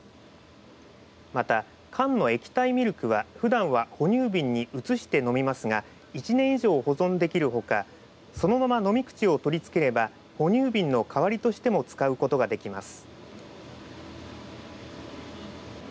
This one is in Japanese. また、缶の液体ミルクはふだんは哺乳瓶に移して飲みますが１年以上保存できるほかそのまま飲み口を取りつければ哺乳瓶の代わりとしても使うことができます。